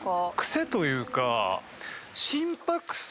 癖というか。